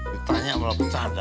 ditanya malah bercanda